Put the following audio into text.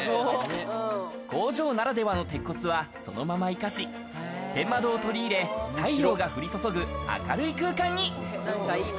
工場ならではの鉄骨はそのまま生かし、天窓を取り入れ、太陽が降り注ぐ明るい空間に。